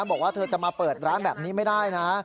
บอกว่าเธอจะมาเปิดร้านแบบนี้ไม่ได้นะ